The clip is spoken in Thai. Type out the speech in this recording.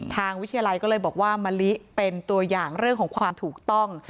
วิทยาลัยก็เลยบอกว่ามะลิเป็นตัวอย่างเรื่องของความถูกต้อง